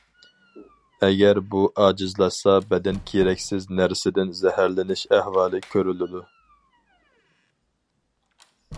ئەگەر بۇ ئاجىزلاشسا بەدەن كېرەكسىز نەرسىدىن زەھەرلىنىش ئەھۋالى كۆرۈلىدۇ.